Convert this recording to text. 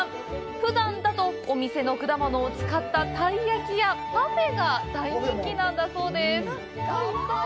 ふだんだと、お店の果物を使ったたい焼きやパフェが人気なんだそうです。